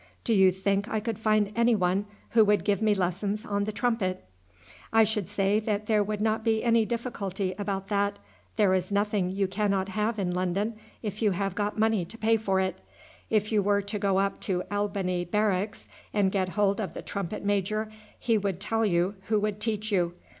Do you think I could find anyone who would give me lessons on the trumpet?" "I should say that there would not be any difficulty about that. There is nothing you cannot have in London if you have got money to pay for it. If you were to go up to the Albany Barracks and get hold of the trumpet major, he would tell you who would teach you.